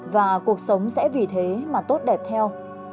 và cuộc sống sẽ vì thế mà tốt đẹp theo